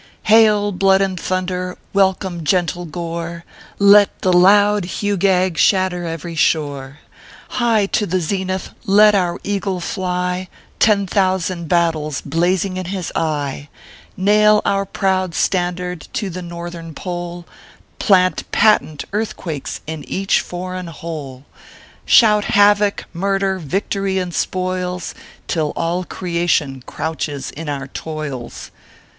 " Hail, blood and thunder 1 welcome, gentle Gore 1 Let the loud hewgag shatter every shore 1 High to the zenith let our eagle fly, Ten thousand battles blazing in his eye ! Nail our proud standard to the Northern Pole, Plant patent earthquakes in each foreign hole! Shout havoc, murder, victory, and spoils, Till all creation crouches in our toils